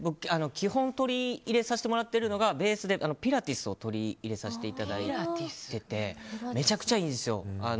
基本取り入れさせてもらってるのがベースでピラティスを取り入れさせていただいててめちゃくちゃいいですよ。